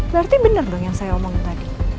berarti bener dong yang saya omongin tadi